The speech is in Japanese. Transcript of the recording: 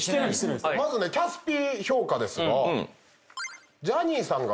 まずねキャスＰ評価ですが。